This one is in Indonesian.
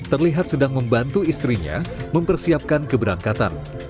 terlihat sedang membantu istrinya mempersiapkan keberangkatan